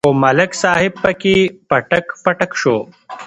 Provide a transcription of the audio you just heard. خو ملک صاحب پکې پټک پټک شو.